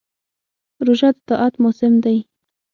روژه د طاعت موسم دی.